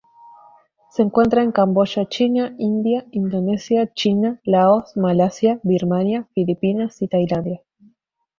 Se encuentra en Camboya China, India Indonesia, China, Laos, Malasia, Birmania, Filipinas y Tailandia.